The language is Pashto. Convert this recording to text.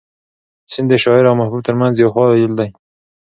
سیند د شاعر او محبوب تر منځ یو حایل دی.